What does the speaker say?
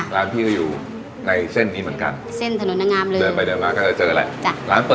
วันจันทร์หยุดไม่ต้องมานะจ๊ะ